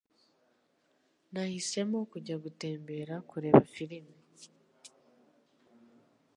Nahisemo kujya gutembera kureba firime.